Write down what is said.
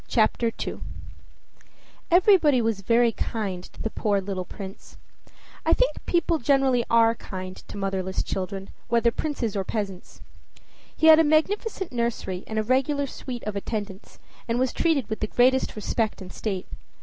CHAPTER II Everybody was very kind to the poor little prince. I think people generally are kind to motherless children, whether princes or peasants. He had a magnificent nursery and a regular suite of attendants, and was treated with the greatest respect and state.